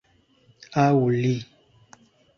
Aŭ li